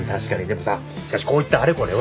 でもさしかしこういったあれこれは。